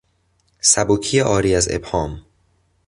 سبکی عاری از ابهام